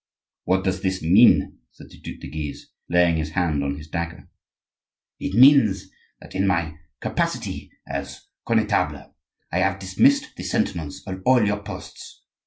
"What does this mean?" said the Duc de Guise, laying his hand on his dagger. "It means that in my capacity as Connetable, I have dismissed the sentinels of all your posts.